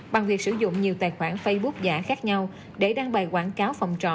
bằng việc sử dụng nhiều tài khoản facebook giả khác nhau để đăng bài quảng cáo phòng trọ